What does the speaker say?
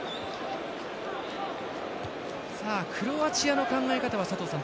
クロアチアの考え方は佐藤さん